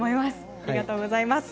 ありがとうございます。